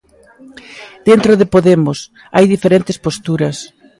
Dentro de Podemos, hai diferentes posturas.